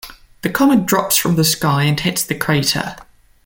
The comet drops from the sky and hits the crater.